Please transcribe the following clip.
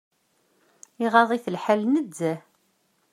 Iɣaḍ-it lḥal nezzeh.